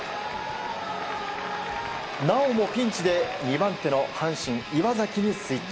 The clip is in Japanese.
なおもピンチで２番手の阪神・岩崎にスイッチ。